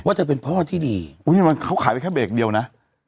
เธอเป็นพ่อที่ดีอุ้ยมันเขาขายไปแค่เบรกเดียวนะ